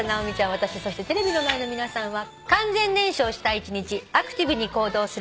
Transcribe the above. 私そしてテレビの前の皆さんは。